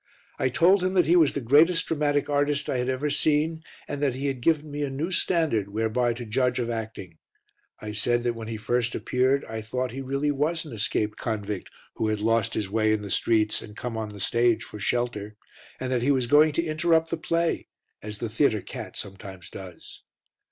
I told him that he was the greatest dramatic artist I had ever seen and that he had given me a new standard whereby to judge of acting. I said that when he first appeared I thought he really was an escaped convict who had lost his way in the streets and come on the stage for shelter, and that he was going to interrupt the play, as the theatre cat sometimes does.